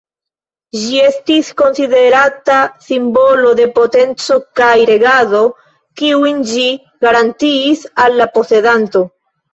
Ĝi estis konsiderata simbolo de potenco kaj regado, kiujn ĝi garantiis al la posedanto.